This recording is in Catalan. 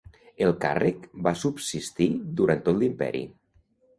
El càrrec va subsistir durant tot l'Imperi.